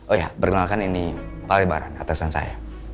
oh ya perkenalkan ini pak lebaran atasan saya